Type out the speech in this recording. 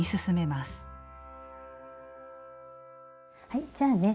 はいじゃあね